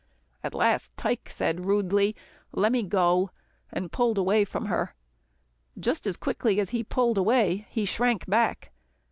At last Tike said rudely, "Lemme go," and he pulled away from her. Just as quickly as he pulled away, he shrank back.